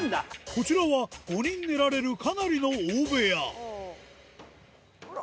こちらは５人寝られるかなりの大部屋あら！